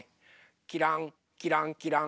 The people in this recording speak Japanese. きらんきらんきらん。